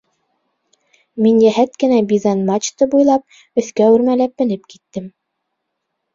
Мин йәһәт кенә бизань-мачта буйлап өҫкә үрмәләп менеп киттем.